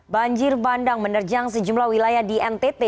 banjir bandang menerjang sejumlah wilayah di ntt